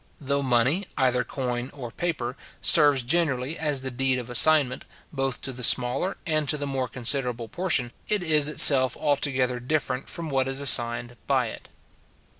Though money, either coin or paper, serves generally as the deed of assignment, both to the smaller and to the more considerable portion, it is itself altogether different from what is assigned by it.